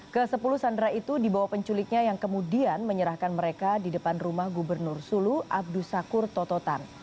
ke sepuluh sandera itu dibawa penculiknya yang kemudian menyerahkan mereka di depan rumah gubernur sulu abdu sakur tototan